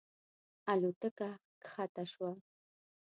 الوتکه کښته شوه.